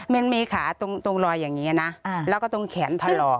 มันมีขาตรงรอยอย่างนี้นะแล้วก็ตรงแขนถลอก